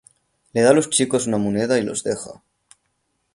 Les da a los chicos una moneda y los deja.